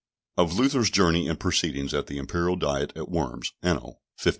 Of Luther's Journey and Proceedings at the Imperial Diet at Worms, Anno 1520.